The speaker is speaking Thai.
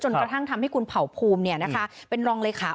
กระทั่งทำให้คุณเผ่าภูมิเป็นรองเลขา